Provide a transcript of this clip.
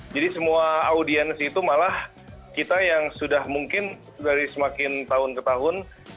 jadi semua audiens itu malah kita yang sudah mungkin dari semakin tahun ke tahun